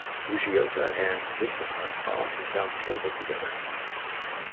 "Mougeotia" and "Zygnema" are often found tangled together.